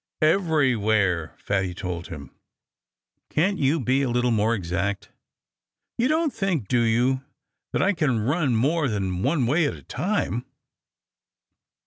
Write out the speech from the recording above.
"Everywhere!" Fatty told him. "Can't you be a little more exact? You don't think do you? that I can run more than one way at a time?"